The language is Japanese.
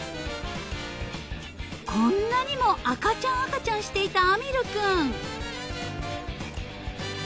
［こんなにも赤ちゃん赤ちゃんしていた碧君］